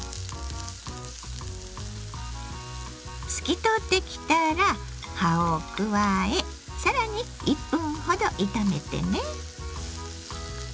透き通ってきたら葉を加え更に１分ほど炒めてね。